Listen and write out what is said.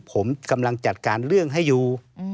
ผมกำลังจัดการเรื่องให้อยู่